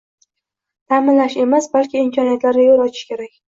«Ta’minlash» emas, balki imkoniyatlarga yo'l ochish kerak.